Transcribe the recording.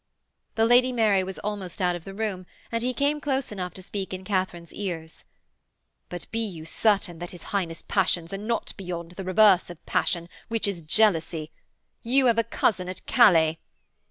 The Lady Mary was almost out of the room, and he came close enough to speak in Katharine's ears. 'But be you certain that his Highness' passions are not beyond the reverse of passion, which is jealousy. You have a cousin at Calais....'